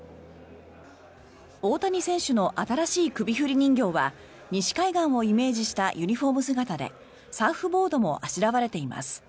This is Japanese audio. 大谷選手の新しい首振り人形は西海岸をイメージしたユニホーム姿でサーフボードもあしらわれています。